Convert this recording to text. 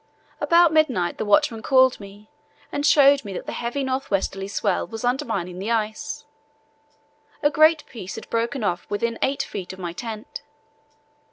About midnight the watchman called me and showed me that the heavy north westerly swell was undermining the ice. A great piece had broken off within eight feet of my tent.